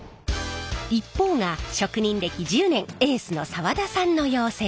一方が職人歴１０年エースの澤田さんの溶接。